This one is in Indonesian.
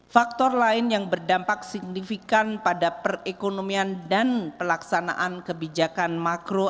faktor lain yang berdampak signifikan pada perekonomian dan pelaksanaan kebijakan makro